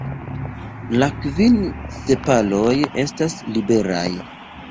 La kvin sepaloj estas liberaj.